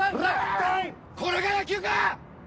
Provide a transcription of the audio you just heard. これが野球か！